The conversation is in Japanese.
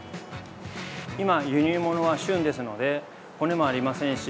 今、輸入ものは旬ですので骨もありませんし